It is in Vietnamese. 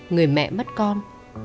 người mẹ mất con